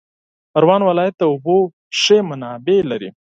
پروان ولایت د اوبو ښې منابع لري